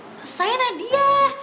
eh saya nadia